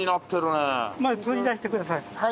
取り出してください。